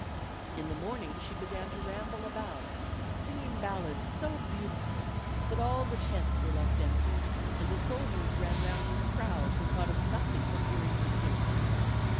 In the morning she began to ramble about, singing ballads so beautifully that all the tents were left empty, and the soldiers ran round in crowds and thought of nothing but hearing her sing.